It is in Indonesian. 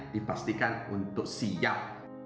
dipastikan untuk siap